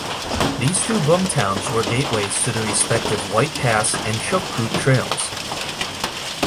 These two boom towns were gateways to the respective White Pass and Chilkoot trails.